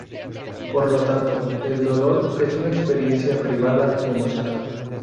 Por lo tanto, el dolor es una experiencia privada, emocional.